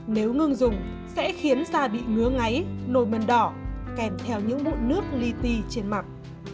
nếu ngưng dùng sẽ khiến da bị ngứa ngáy nồi mần đỏ kèm theo những mụn nước ly ti trên mặt